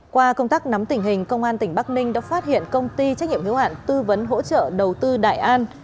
qua công tác nắm tình hình công an tỉnh bắc ninh đã phát hiện công ty trách nhiệm hiếu hạn tư vấn hỗ trợ đầu tư đại an